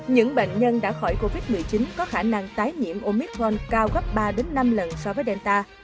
những bệnh nhân đã khỏi covid một mươi chín có khả năng tái nhiễm omith vold cao gấp ba năm lần so với delta